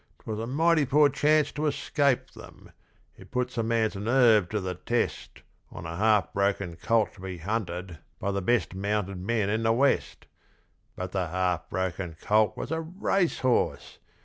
'Twas a mighty poor chance to escape them! It puts a man's nerve to the test On a half broken colt to be hunted by the best mounted men in the West. But the half broken colt was a racehorse!